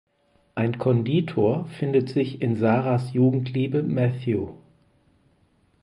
Ein Konditor findet sich in Sarahs Jugendliebe Matthew.